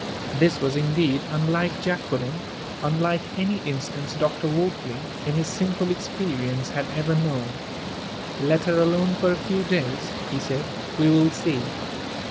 This was, indeed, unlike Jacqueline unlike any instance Dr. Wortley, in his simple experience, had ever known. "Let her alone for a few days," he said. "We will see."